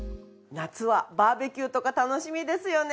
夏はバーベキューとか楽しみですよね。